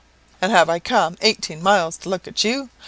And have I come eighteen miles to look at you?